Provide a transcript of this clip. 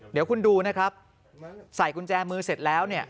เดี๋ยวคุณดูนะครับใส่กุญแจมือเสร็จแล้วเนี่ย